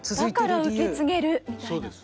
だから受け継げるみたいな。